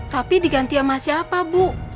tapi digantian masyarakat bu